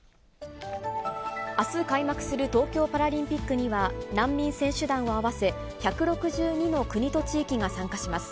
あす開幕する東京パラリンピックには、難民選手団を合わせ１６２の国と地域が参加します。